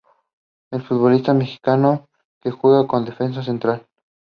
She specialized in consumer driven health plans.